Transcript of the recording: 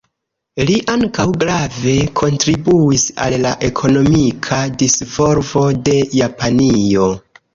Li ankaŭ grave kontribuis al la ekonomika disvolvo de Japanio.